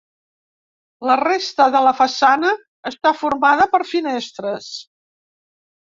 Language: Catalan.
La resta de la façana està formada per finestres.